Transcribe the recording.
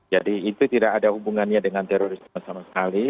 jadi itu tidak ada hubungannya dengan terorisme sama sekali